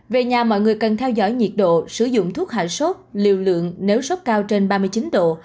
về nhà mọi người cần theo dõi nhiệt độ sử dụng thuốc hạ sốt liều lượng nếu sốc cao trên ba mươi chín độ